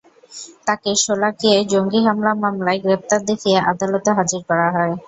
তাঁকে শোলাকিয়ায় জঙ্গি হামলা মামলায় গ্রেপ্তার দেখিয়ে আদালতে হাজির করা হয়।